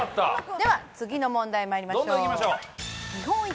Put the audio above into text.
では次の問題参りましょう。